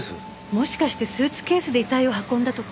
もしかしてスーツケースで遺体を運んだとか？